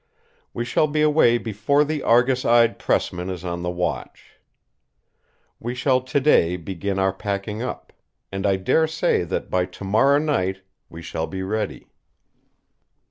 We shall be away before the Argus eyed Pressman is on the watch. We shall today begin our packing up; and I dare say that by tomorrow night we shall be ready.